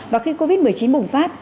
và khi covid một mươi chín bùng phát